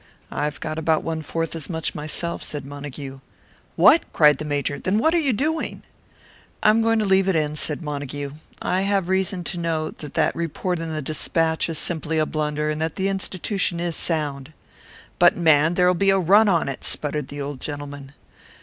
"I've got about one fourth as much myself," said Montague. "What!" cried the Major. "Then what are you doing?" "I'm going to leave it in," said Montague. "I have reason to know that that report in the Despatch is simply a blunder, and that the institution is sound." "But, man, there'll be a run on it!" sputtered the old gentleman.